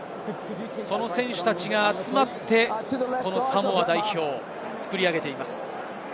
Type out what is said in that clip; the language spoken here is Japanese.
その選手たちが集まって、サモア代表を作り上げています。